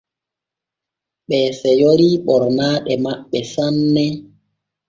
Ɓee seyori ɓornaaɗe maɓɓe sanne.